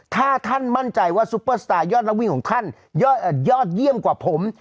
ถ้าท่านมั่นใจว่าซุปเปอร์สตาร์ยอดนักวิ่งของท่านยอดเยี่ยมกว่าผม